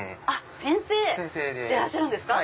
先生でらっしゃるんですか。